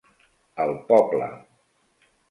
El poble.